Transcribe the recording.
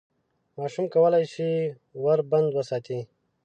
ماشوم کولای شي ور بند وساتي.